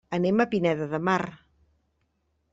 Anem a Pineda de Mar.